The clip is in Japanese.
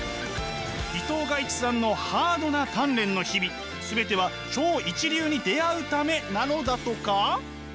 伊藤賀一さんのハードな鍛錬の日々全ては超一流に出会うためなのだとか？